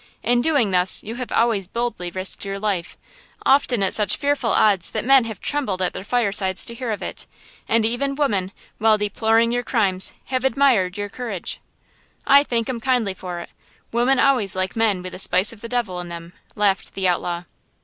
In doing thus you have always boldly risked your life, often at such fearful odds that men have trembled at their firesides to hear of it. And even women, while deploring your crimes, have admired your courage." "I thank 'em kindly for it! Women always like men with a spice of the devil in them!" laughed the outlaw.